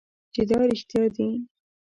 چې دا رښتیا دي .